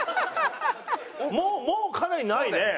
もうかなりないね。